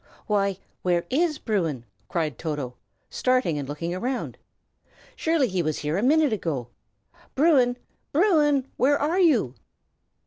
"Why, where is Bruin?" cried Toto, starting and looking round; "surely he was here a minute ago. Bruin! Bruin! where are you?"